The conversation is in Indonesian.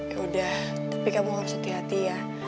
yaudah tapi kamu harus hati hati ya